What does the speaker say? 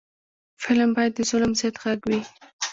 فلم باید د ظلم ضد غږ وي